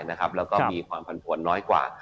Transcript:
แล้วก็มีความผันผวนน้อยกว่า